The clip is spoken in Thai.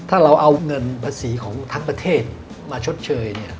ถ้าเราเอาเงินภาษีของทั้งประเทศมาชดเชย